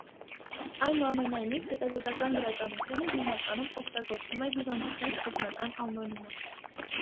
Այնուամենայնիվ, հետազոտական գրականությունը հիմնականում օգտագործում է հիվանդության սկզբնական անվանումը։